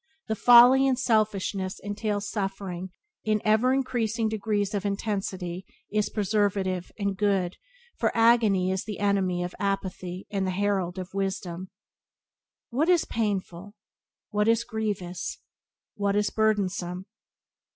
That folly and selfishness entail suffering in ever increasing degrees of intensity is preservative and good, for agony is the enemy of apathy and the herald of wisdom. What is painful? What is grievous? What is burdensome?